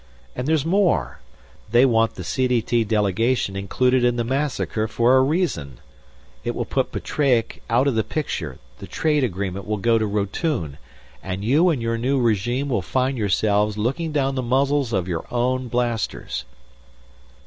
And there's more. They want the CDT delegation included in the massacre for a reason. It will put Petreac out of the picture; the trade agreement will go to Rotune; and you and your new regime will find yourselves looking down the muzzles of your own blasters."